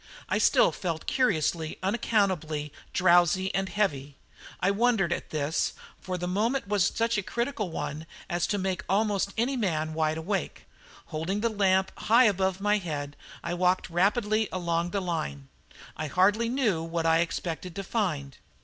I still felt curiously, unaccountably drowsy and heavy. I wondered at this, for the moment was such a critical one as to make almost any man wide awake. Holding the lamp high above my head, I walked rapidly along the line. I hardly knew what I expected to find.